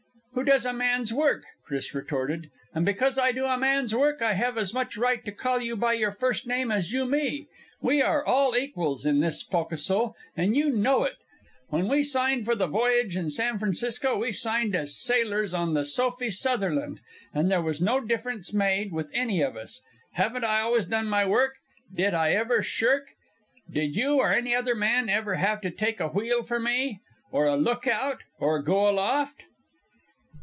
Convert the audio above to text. "Who does a man's work," Chris retorted. "And because I do a man's work I have as much right to call you by your first name as you me. We are all equals in this fo'castle, and you know it. When we signed for the voyage in San Francisco, we signed as sailors on the Sophie Sutherland and there was no difference made with any of us. Haven't I always done my work? Did I ever shirk? Did you or any other man ever have to take a wheel for me? Or a lookout? Or go aloft?"